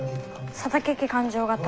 「佐竹家勘定方」。